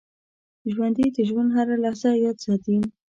ژوندي د ژوند هره لحظه یاد ساتي